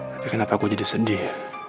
tapi kenapa aku jadi sedih